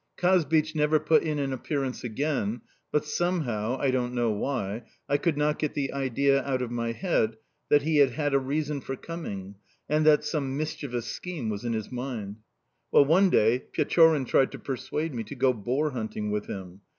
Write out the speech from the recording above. "Kazbich never put in an appearance again; but somehow I don't know why I could not get the idea out of my head that he had had a reason for coming, and that some mischievous scheme was in his mind. "Well, one day Pechorin tried to persuade me to go boar hunting with him.